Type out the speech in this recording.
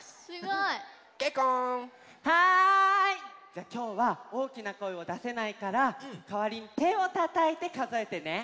じゃあきょうはおおきなこえをだせないからかわりにてをたたいてかぞえてね！